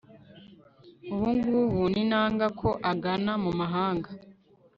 ubu ngubu ninanga ko agana mu mahanga